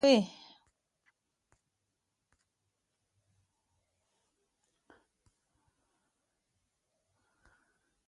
دا سیسټم زموږ ږغونه د مصنوعي ځیرکتیا ماډلونو ته ورکوي.